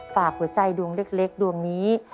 ฝากหัวใจดวงเล็กดวงนี้